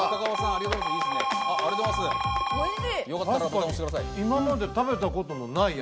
確かに今まで食べたことのない味。